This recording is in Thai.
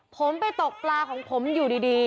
ผมไปตกปลาของผมอยู่ดี